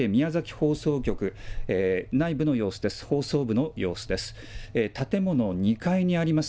放送部の様子です。